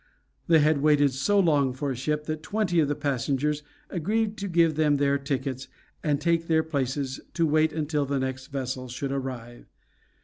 They had waited so long for a ship that twenty of the passengers agreed to give them their tickets, and take their places to wait until the next vessel should arrive.